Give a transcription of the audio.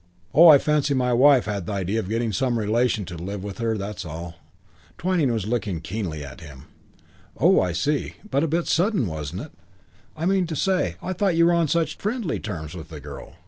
"Oh, I fancy my wife had the idea of getting some relation to live with her, that's all." Twyning was looking keenly at him. "Oh, I see. But a bit sudden, wasn't it? I mean to say, I thought you were on such friendly terms with the girl.